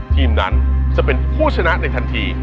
ทีมนั้นจะเป็นผู้ชนะในทันที